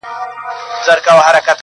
مطلب دا چې په شعر او نثر کې